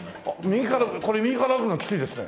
右からこれ右から歩くのキツいですね。